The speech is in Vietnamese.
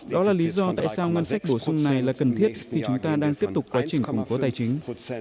đó là lý do tại sao ngân sách bổ sung này là cần thiết khi chúng ta đang tiếp tục quá trình khủng bố tài chính